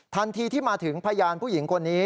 ทันทีที่มาถึงพยานผู้หญิงคนนี้